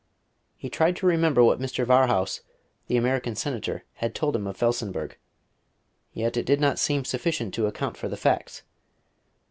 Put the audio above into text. He tried to remember what Mr. Varhaus, the American senator, had told him of Felsenburgh; yet it did not seem sufficient to account for the facts.